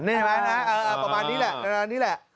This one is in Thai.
ใช่ไหมนะประมาณนี้แหละ